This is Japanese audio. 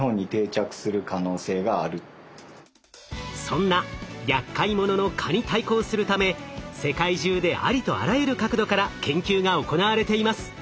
そんなやっかい者の蚊に対抗するため世界中でありとあらゆる角度から研究が行われています。